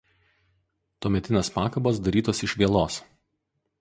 Tuometinės pakabos darytos iš vielos.